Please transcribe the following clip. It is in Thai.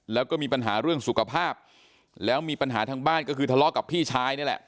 แล้วก็มีปัญหาเรื่องสุขภาพแล้วมีปัญหาทางบ้านก็คือทะเลาะกับพี่ชายนี่แหละ